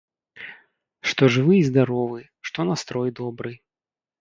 Што жывы і здаровы, што настрой добры.